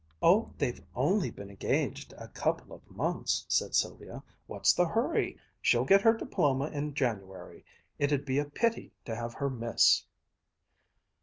"Oh, they've only been engaged a couple of months," said Sylvia. "What's the hurry! She'll get her diploma in January. It'd be a pity to have her miss!"